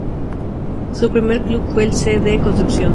Su primer club fue el C. D. Concepción.